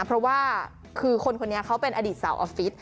เพราะว่าคือคนคนนี้เขาเป็นอดีตสาวออฟฟิศ